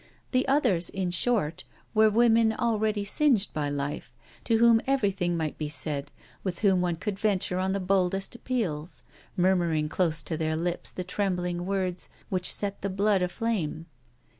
The others, in short, were women already singed by life, to whom everything might be said, with whom one could venture on the boldest appeals, murmuring close to their lips the trembling words which set the blood aflame.